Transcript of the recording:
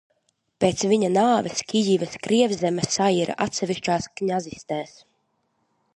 Pēc viņa nāves Kijivas Krievzeme saira atsevišķās kņazistēs.